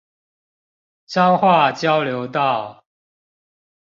彰化交流道